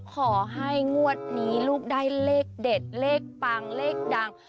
ขอให้งวดนี้ลูกได้เลขเด็ดเลขปังเลขดัง